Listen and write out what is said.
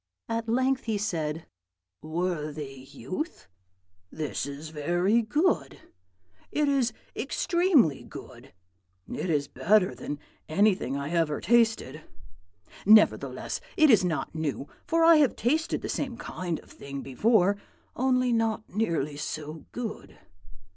At length he said, 'Worthy youth, this is very good; it is extremely good; it is better than anything I ever tasted. Nevertheless, it is not new; for I have tasted the same kind of thing before, only not nearly so good.